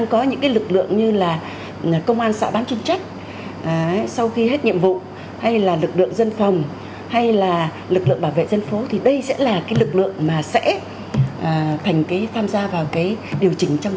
cái lực lượng công an xã chứng quy như vậy thì rất mỏng